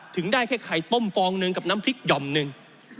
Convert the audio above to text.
ถึงได้แค่ไข่ต้มฟองหนึ่งกับน้ำพริกหย่อมหนึ่ง